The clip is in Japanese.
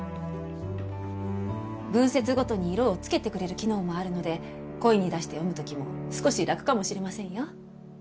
文節ごとに色を付けてくれる機能もあるので声に出して読む時も少し楽かもしれませんよ。